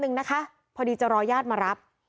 เมื่อวานแบงค์อยู่ไหนเมื่อวาน